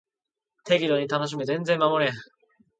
適度に楽しめ全然守れん